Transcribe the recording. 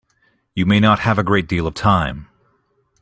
You may not have a great deal of time.